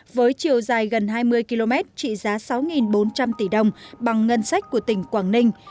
với chiều dài gần hai mươi km trị giá sáu bốn trăm linh tỷ đồng bằng ngân sách của tỉnh quảng ninh